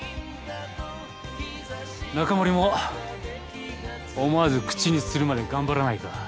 中森も思わず口にするまで頑張らないか？